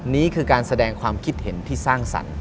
นี่คือการแสดงความคิดเห็นที่สร้างสรรค์